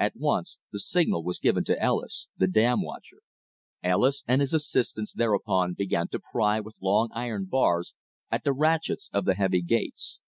At once the signal was given to Ellis, the dam watcher. Ellis and his assistants thereupon began to pry with long iron bars at the ratchets of the heavy gates.